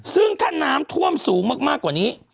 ซึ่งถ้าน้ำท่วมสูงมากกว่านี้